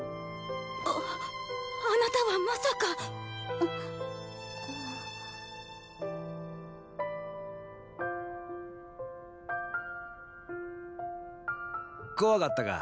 ⁉あっあなたはまさかっ！怖かったか？